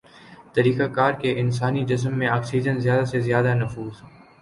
طریقہ کار کے انسانی جسم میں آکسیجن زیادہ سے زیادہ نفوذ